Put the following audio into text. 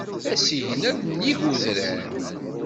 Asegna nnig udrar.